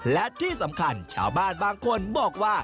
และที่สำคัญชาวบ้านบางคนบอกว่า